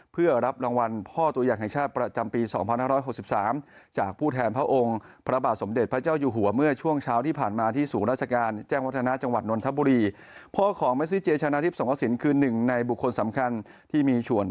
เพื่อรับรางวัลพ่อตัวอย่างแห่งชาติประจำปีสองพันห้าร้อยหกสิบสาม